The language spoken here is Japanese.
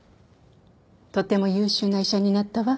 とても優秀な医者になったわ。